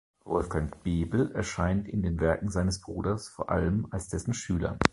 Wolfgang Bebel erscheint in den Werken seines Bruders vor allem als dessen Schüler.